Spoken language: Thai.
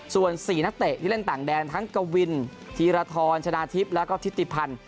ส่วน๔นักเตะที่เล่นต่างแดนทั้งกวินธีรทรชนะทิพย์แล้วก็ทิติพันธ์